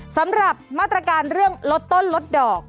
สำหรับมาตรการเรื่องลดต้นลดดอก